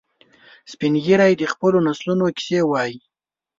سپین ږیری د خپلو نسلونو کیسې وایي